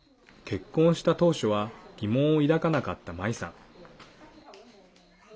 結婚した当初は疑問を抱かなかったマイさん。